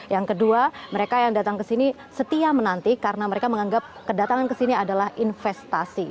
yang kedua mereka yang datang ke sini setia menanti karena mereka menganggap kedatangan kesini adalah investasi